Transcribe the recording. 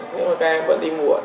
nhưng mà các em vẫn đi muộn